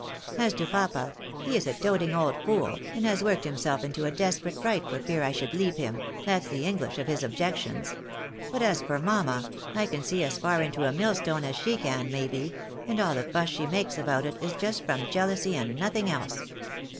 As to papa, he is a doting old fool, and has worked him self into a desperate fright for fear I should leave him, that's the English of his objections ; but as for mamma, I can see as far into a mill stone as she can, maybe, and all the fuss she makes about it, is just from jealousy and nothing else.